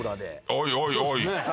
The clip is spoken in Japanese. おいおいおい！